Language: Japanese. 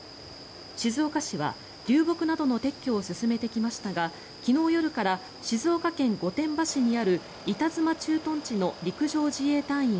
静岡市は流木などの撤去を進めてきましたが昨日夜から静岡県御殿場市にある板妻駐屯地の陸上自衛隊員